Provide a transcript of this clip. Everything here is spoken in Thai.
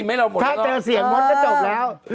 ไข้เตอเสียงม้อนก็จบแล้ว